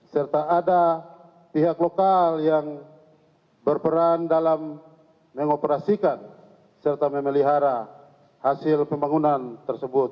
serta ada pihak lokal yang berperan dalam mengoperasikan serta memelihara hasil pembangunan tersebut